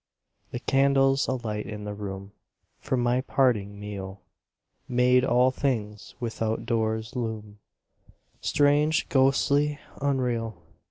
The candles alight in the room For my parting meal Made all things withoutdoors loom Strange, ghostly, unreal.